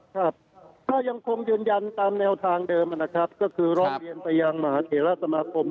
ครับก็ยังคงยืนยันตามแนวทางเดิมนะครับก็คือร้องเรียนไปยังมหาเถระสมาคม